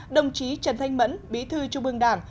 đồng chí trần thanh mẫn bí thư trung ương đảng